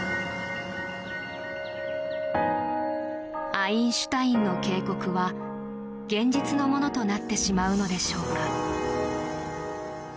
アインシュタインの警告は現実のものとなってしまうのでしょうか。